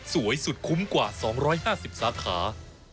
สวยสุดคุ้มกว่า๒๕๐สาขา